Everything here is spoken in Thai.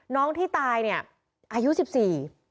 น้องที่ตายเนี่ยอายุ๑๔ปี